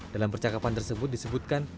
dalam percakapan tersebut disebutkan